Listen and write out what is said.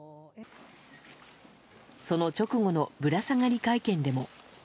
その直後のぶら下がり会見でも。